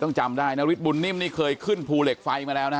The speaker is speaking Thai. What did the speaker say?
จำได้นาริสบุญนิ่มนี่เคยขึ้นภูเหล็กไฟมาแล้วนะ